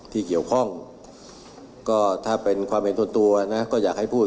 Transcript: ที่เกี่ยวข้องก็ถ้าเป็นความเห็นส่วนตัวนะก็อยากให้พูด